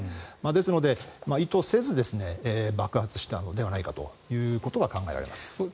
ですので意図せず爆発したのではないかと考えられます。